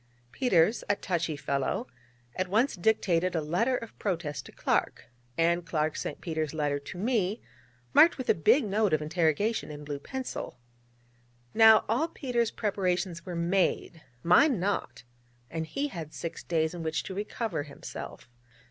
Peters, a touchy fellow, at once dictated a letter of protest to Clark; and Clark sent Peters' letter to me, marked with a big note of interrogation in blue pencil. Now, all Peters' preparations were made, mine not; and he had six days in which to recover himself.